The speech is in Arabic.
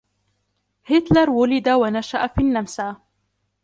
هتلر ولد ونشأ في النمسا.